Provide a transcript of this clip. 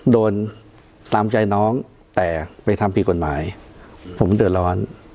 โดนตามใจน้องแต่ไปทำผิดกฎหมายผมเดือดร้อน